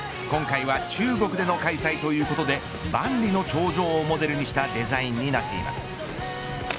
今回は中国での開催ということで万里の長城をモデルにしたデザインになっています。